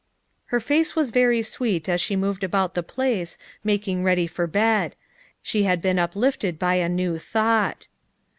Her face was very sweet as she moved about the place, making ready for bed; she had been uplifted by a new thought.